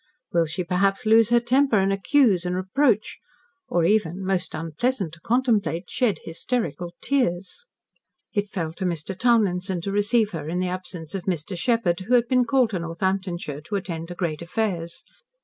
Will she, perhaps, lose her temper, and accuse and reproach, or even most unpleasant to contemplate shed hysterical tears? It fell to Mr. Townlinson to receive her in the absence of Mr. Sheppard, who had been called to Northamptonshire to attend to great affairs.